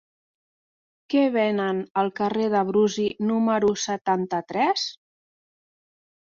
Què venen al carrer de Brusi número setanta-tres?